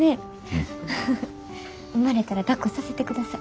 産まれたらだっこさせてください。